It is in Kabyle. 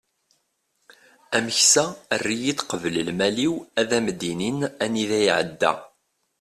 ameksa err-iyi-d qbel lmal-iw ad am-d-inin anida iεedda